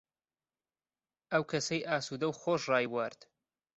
ئەو کەسەی ئاسوودەو و خۆش ڕایبوارد،